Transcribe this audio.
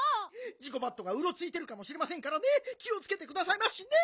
ジゴバットがうろついてるかもしれませんからねきをつけてくださいましね！